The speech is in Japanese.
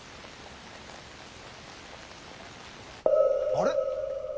あれ？